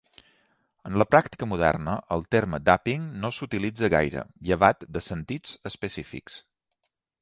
En la pràctica moderna, el terme "dapping" no s'utilitza gaire, llevat de sentits específics.